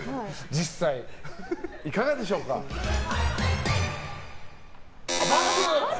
実際、いかがでしょうか？×。